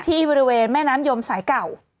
ที่บริเวณแม่น้ำยมสายเก่า